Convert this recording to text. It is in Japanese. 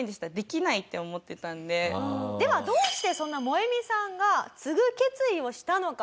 ではどうしてそんなモエミさんが継ぐ決意をしたのか。